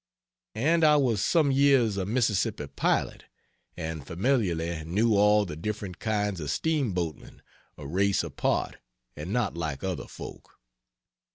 And I was some years a Mississippi pilot, and familiarly knew all the different kinds of steam boatmen a race apart, and not like other folk.